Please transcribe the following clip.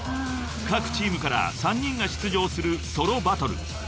［各チームから３人が出場するソロバトル］